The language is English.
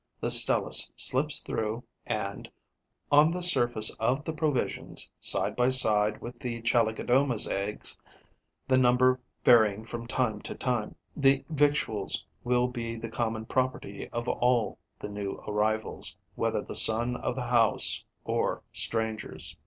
The Stelis slips through and, on the surface of the provisions, side by side with the Chalicodoma's eggs, the number varying from time to time. The victuals will be the common property of all the new arrivals, whether the son of the house or strangers.